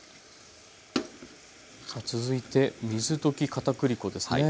続いて水溶きかたくり粉ですね。